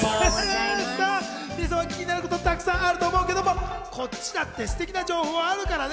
今朝は気になることいっぱいあると思うけど、こっちだってステキな情報あるからね。